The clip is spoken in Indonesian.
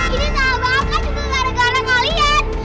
ini sama aku kan juga gak ada gara kalian